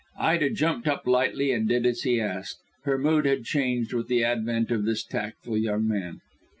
Ida jumped up lightly and did as he asked. Her mood had changed with the advent of this tactful young man.